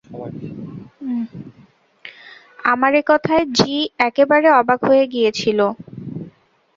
আমার এ-কথায় জি একেবারে অবাক হয়ে গিয়েছিল।